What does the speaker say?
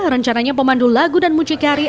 rencananya pemandu lagu dan mucikari